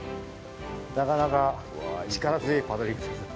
なかなか力強いパドリングですね。